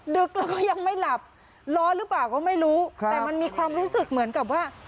ดึกแล้วก็ยังไม่หลับร้อนหรือเปล่าก็ไม่รู้แต่มันมีความรู้สึกเหมือนกับว่า